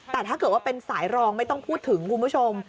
แต่ถ้าเกิดว่าเป็นสายรองไม่ต้องพูดถึงคุณผู้ชม